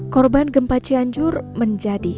korban gempa cianjur menjadi